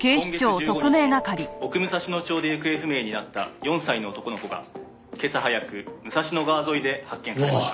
「今月１５日奥武蔵野町で行方不明になった４歳の男の子が今朝早く武蔵野川沿いで発見されました」